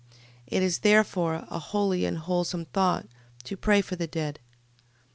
It is therefore a holy and wholesome thought to pray for the dead...